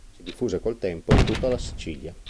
Si diffuse col tempo in tutta la Sicilia.